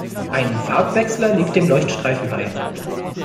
Ein Farbwechsler liegt dem Leuchtstreifen bei.